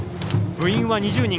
部員は２０人。